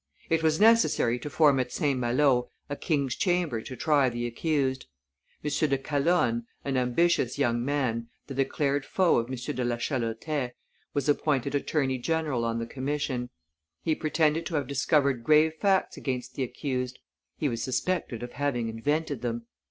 It was necessary to form at St. Malo a King's Chamber to try the accused. M. de Calonne, an ambitious young man, the declared foe of M. de la Chalotais, was appointed attorney general on the commission. He pretended to have discovered grave facts against the accused; he was suspected of having invented them.